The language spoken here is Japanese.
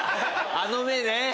あの目ね！